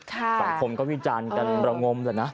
สังคมก็วิจารณ์กันระงมแล้วนะ